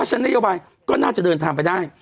ฉะนโยบายก็น่าจะเดินทางไปได้